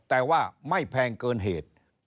แต่ว่าไม่แพงเกินเหตุ